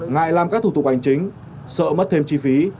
ngại làm các thủ tục hành chính sợ mất thêm chi phí